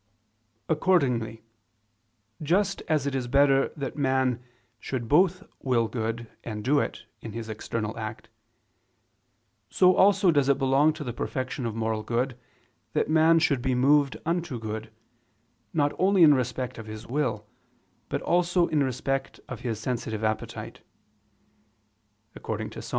Accordingly just as it is better that man should both will good and do it in his external act; so also does it belong to the perfection of moral good, that man should be moved unto good, not only in respect of his will, but also in respect of his sensitive appetite; according to Ps.